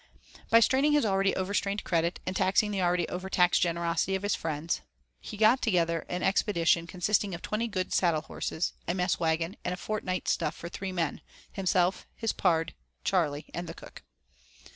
By straining his already overstrained credit, and taxing the already overtaxed generosity of his friends, he got together an expedition consisting of twenty good saddle horses, a mess wagon, and a fortnight's stuff for three men himself, his 'pard,' Charley, and the cook.